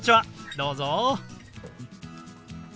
どうぞ。